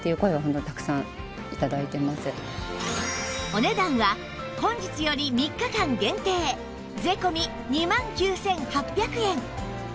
お値段は本日より３日間限定税込２万９８００円